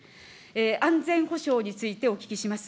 安全保障についてお聞きします。